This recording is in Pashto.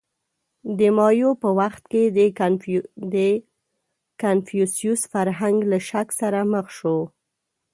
• د مایو په وخت کې د کنفوسیوس فرهنګ له شک سره مخ شو.